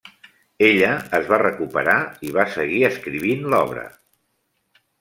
Ella es va recuperar i va seguir escrivint l'obra.